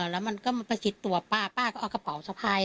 แล้วมันก็ประชิดตัวป้าป้าก็เอากระเป๋าสะพาย